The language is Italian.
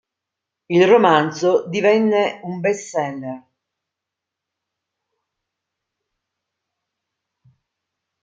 Il romanzo divenne un best seller.